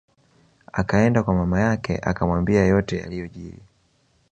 Akaenda kwa mama yake akamwambia yote yaliyojili